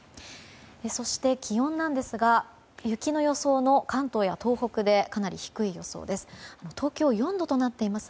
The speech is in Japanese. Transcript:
そして気温なんですが雪の予想の関東や東北でかなり低い予想です。